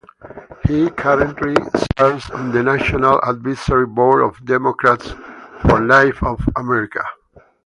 He currently serves on the National Advisory Board of Democrats for Life of America.